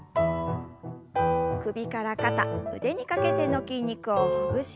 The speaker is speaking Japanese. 首から肩腕にかけての筋肉をほぐしながら軽く。